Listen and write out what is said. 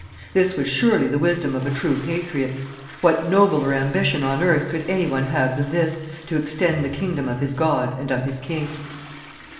This was surely the wisdom of a true patriot. What nobler ambition on earth could any one have than this, to extend the kingdom of his God and of his king?